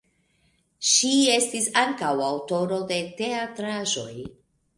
Ŝi estis ankaŭ aŭtoro de teatraĵoj.